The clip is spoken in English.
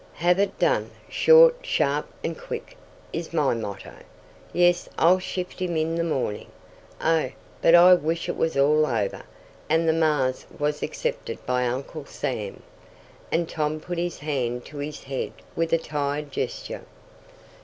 Have it done, short, sharp and quick, is my motto. Yes, I'll shift him in the morning. Oh, but I wish it was all over, and the Mars was accepted by Uncle Sam!" and Tom put his hand to his head with a tired gesture.